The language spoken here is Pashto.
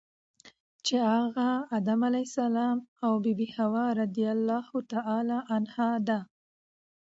چی هغه ادم علیه السلام او بی بی حوا رضی الله عنها ده .